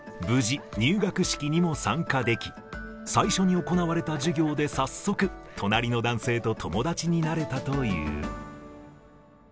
無事、入学式にも参加でき、最初に行われた授業で早速、隣の男性と友達になれたという。